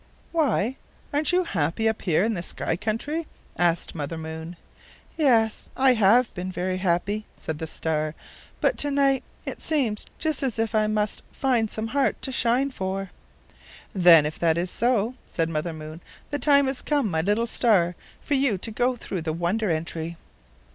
"Why, aren't you happy up here in the sky country?" asked Mother Moon. "Yes, I have been very happy," said the star; "but to night it seems just as if I must find some heart to shine for." "Then if that is so," said Mother Moon, "the time has come, my little star, for you to go through the Wonder Entry."